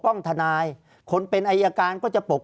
ภารกิจสรรค์ภารกิจสรรค์